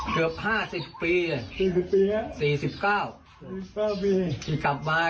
เกือบทุกเย็น